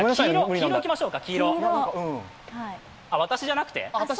黄色いきましょうか。